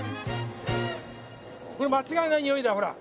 これ間違いないにおいだほら。